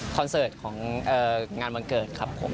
เสิร์ตของงานวันเกิดครับผม